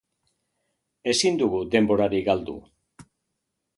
Ezin dugu denborarik galdu.